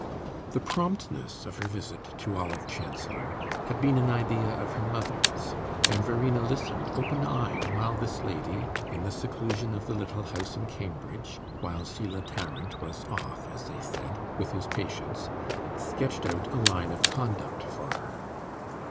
The promptness of her visit to Olive Chancellor had been an idea of her mother's, and Verena listened open eyed while this lady, in the seclusion of the little house in Cambridge, while Selah Tarrant was "off," as they said, with his patients, sketched out a line of conduct for her.